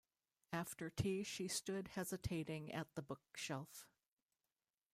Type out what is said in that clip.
After tea she stood hesitating at the bookshelf.